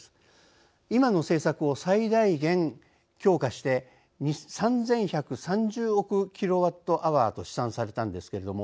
今の政策を最大限強化して３，１３０億ｋＷｈと試算されたんですけれども